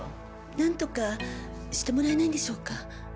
何とかしてもらえないんでしょうか？